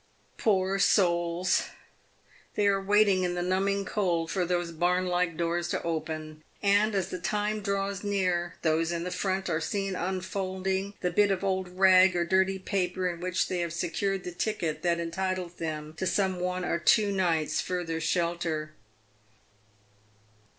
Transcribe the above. Poor souls ! they are waiting in the numbing cold for those barn like doors to open, and as the time draws near, those in the front are seen unfolding the bit of old rag or dirty paper in which they have secured the ticket that entitles them to some one or two nights' further shelter.